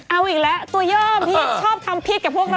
เอาอีกแล้วตัวย่อมพี่ชอบทำพิษกับพวกเรา